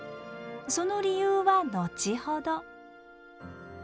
その理由は後ほど。